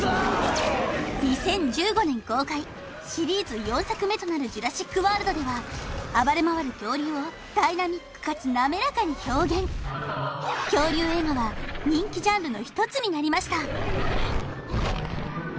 ２０１５年公開シリーズ４作目となる「ジュラシック・ワールド」では暴れ回る恐竜をダイナミックかつ滑らかに表現恐竜映画は人気ジャンルの一つになりました